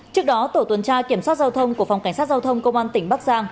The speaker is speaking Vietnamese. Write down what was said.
trước đó tổ tuần tra kiểm soát giao thông của phòng cảnh sát giao thông công an tỉnh bắc giang